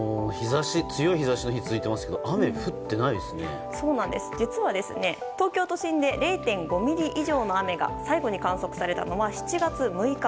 強い日差しの日が続いていますが実は東京都心で０．５ミリ以上の雨が最後に観測されたのは７月６日。